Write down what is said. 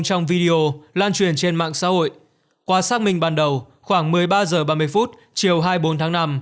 trong video lan truyền trên mạng xã hội qua xác minh ban đầu khoảng một mươi ba h ba mươi chiều hai mươi bốn tháng năm